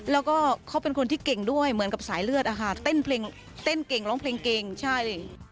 แล้วก็เขาเป็นคนที่เก่งด้วยเหมือนกับสายเลือดอะค่ะเต้นเพลงเต้นเก่งร้องเพลงเก่งใช่